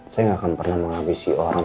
saya gak akan pernah menghabisi orang